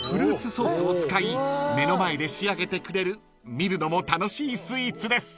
［見るのも楽しいスイーツです］